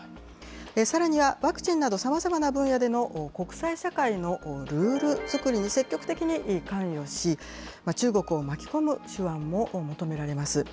さらには、ワクチンなど、さまざまな分野での国際社会のルール作りに積極的に関与し、中国を巻き込む手腕も求められます。